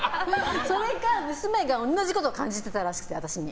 それを娘が同じこと感じてたらしくて。